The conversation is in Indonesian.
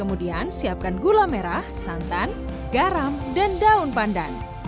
masukkan garam garam dan daun pandan